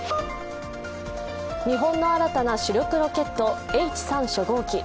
日本の新たな主力ロケットＨ３初号機。